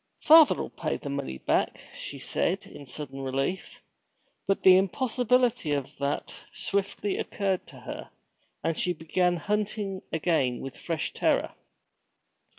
'Father'll pay the money back,' she said, in sudden relief. But the impossibility of that swiftly occurred to her, and she began hunting again with fresh terror.